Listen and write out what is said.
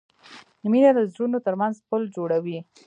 مینه د زړونو ترمنځ پل جوړوي.